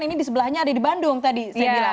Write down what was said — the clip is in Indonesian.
ini di sebelahnya ada di bandung tadi saya bilang